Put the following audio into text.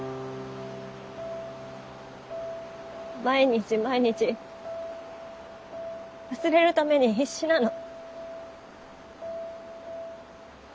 毎日毎日忘れるために必死なの。